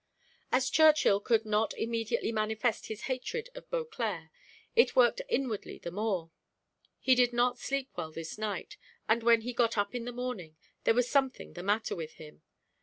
As Churchill could not immediately manifest his hatred of Beauclerc, it worked inwardly the more. He did not sleep well this night, and when he got up in the morning, there was something the matter with him.